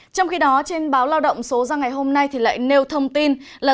trong khi đó trên báo lao động số ra ngày hôm nay lại nêu thông tin là